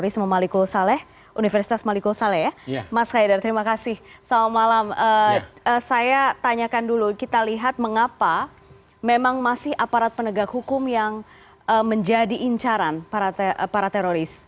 saya tanyakan dulu kita lihat mengapa memang masih aparat penegak hukum yang menjadi incaran para teroris